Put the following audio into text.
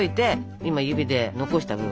今指で残した部分。